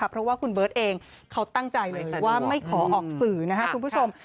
เพราะว่าคุณเบิร์ตเองเขาตั้งใจเลยว่าไม่ขอออกสื่อนะครับคุณผู้ชม